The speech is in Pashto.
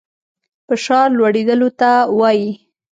فشار لوړېدلو ته وايي.